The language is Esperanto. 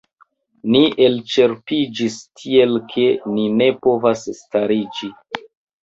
Ni elĉerpiĝis tiel ke ni ne povas stariĝi.